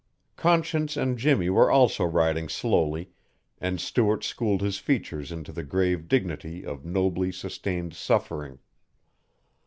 Conscience and Jimmy were also riding slowly and Stuart schooled his features into the grave dignity of nobly sustained suffering.